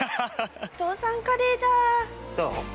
父さんカレーだ。